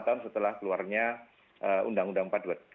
dua tahun setelah keluarnya undang undang empat dua ribu tujuh belas